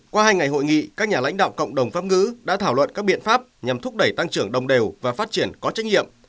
qua hai ngày hội nghị các nhà lãnh đạo cộng đồng pháp ngữ đã thảo luận các biện pháp nhằm thúc đẩy tăng trưởng đồng đều và phát triển có trách nhiệm